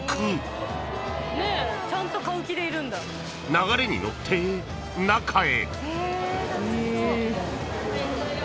［流れに乗って中へ］